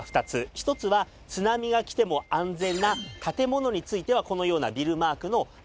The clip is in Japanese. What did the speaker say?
一つは津波が来ても安全な建物についてはこのようなビルマークの案内板が。